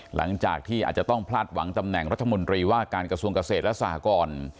หลังจากที่อาจจะต้องพลาดหวังตำแหน่งรัฐมนตรีว่าการกระทรวงเกษตรและสหกร